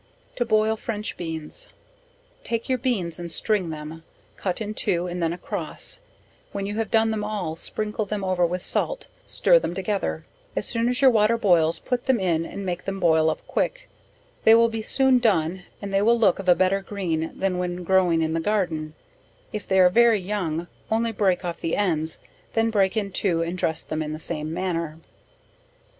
To boil French Beans. Take your beans and string them, cut in two and then across, when you have done them all, sprinkle them over with salt, stir them together, as soon as your water boils put them in and make them boil up quick, they will be soon done and they will look of a better green than when growing in the garden if; they are very young, only break off the ends, them break in two and dress them in the same manner.